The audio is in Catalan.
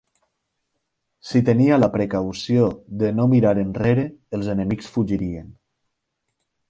Si tenia la precaució de no mirar enrere, els enemics fugirien.